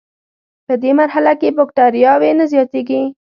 پدې مرحله کې بکټریاوې نه زیاتیږي.